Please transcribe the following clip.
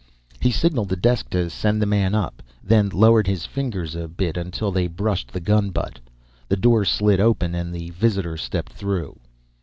He signaled the desk to send the man up, then lowered his fingers a bit until they brushed the gun butt. The door slid open and his visitor stepped through.